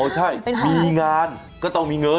ใช่มีงานก็ต้องมีเงิน